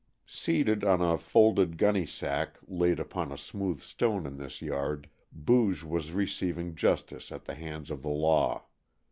Seated on a folded gunny sack laid upon a smooth stone in this yard, Booge was receiving justice at the hands of the law.